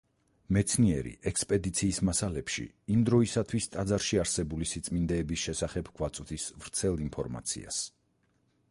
მეცნიერი, ექსპედიციის მასალებში, იმ დროისათვის ტაძარში არსებული სიწმინდეების შესახებ გვაწვდის ვრცელ ინფორმაციას.